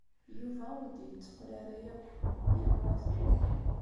Yuba ur d-yetteqqal ara akk. Yemmut.